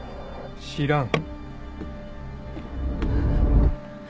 知らん。